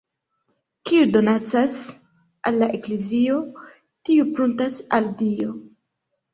Kiu donacas al la Eklezio, tiu pruntas al Dio.